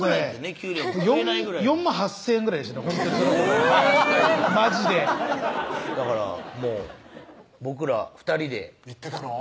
給料４万８０００円ぐらいでしたほんとにマジでだからもう僕ら２人で行ってたの？